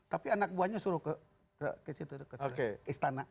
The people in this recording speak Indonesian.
tapi anak buahnya suruh ke istana